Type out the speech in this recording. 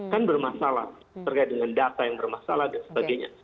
kan bermasalah terkait dengan data yang bermasalah dan sebagainya